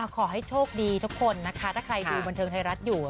ขอให้โชคดีทุกคนนะคะถ้าใครดูบันเทิงไทยรัฐอยู่